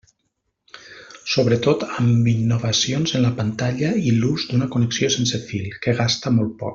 Sobretot amb innovacions en la pantalla i l'ús d'una connexió sense fil, que gasta molt poc.